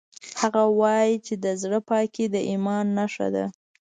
هغه وایي چې د زړه پاکۍ د ایمان نښه ده